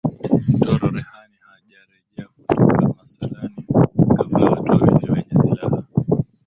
Mtoro Rehani hajarejea kutoka msalani ghafla watu wawili wenye silaha